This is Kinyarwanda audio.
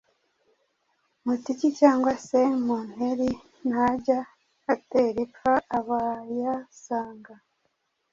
Mutiki cyangwa se Munteri Ntajya atera ipfa abayasanga.